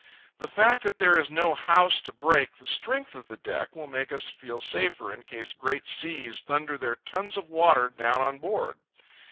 The fact that there is no house to break the strength of the deck will make us feel safer in case great seas thunder their tons of water down on board.